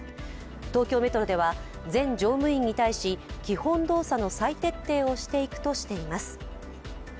東京メトロでは全乗務員に対し基本動作の際徹底をしていくとしています。